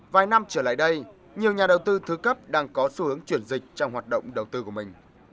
vài năm trở lại đây nhiều nhà đầu tư thứ cấp đang có xu hướng chuyển dịch trong hoạt động đầu tư của mình